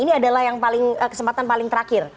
ini adalah yang paling kesempatan paling terakhir